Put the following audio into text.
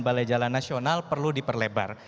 balai jalan nasional perlu diperlebar